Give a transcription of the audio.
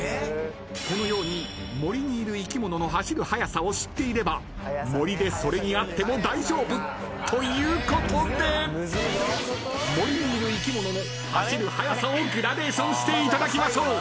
［このように森にいる生き物の走る速さを知っていれば森で”それ”に会っても大丈夫ということで森にいる生き物の走る速さをグラデーションしていただきましょう］